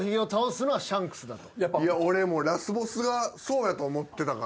俺ラスボスがそうやと思ってたから。